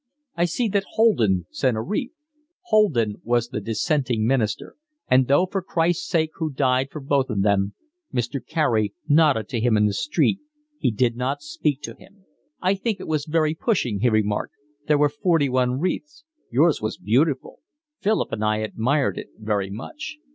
"I see that Holden sent a wreath." Holden was the dissenting minister, and, though for Christ's sake who died for both of them, Mr. Carey nodded to him in the street, he did not speak to him. "I think it was very pushing," he remarked. "There were forty one wreaths. Yours was beautiful. Philip and I admired it very much."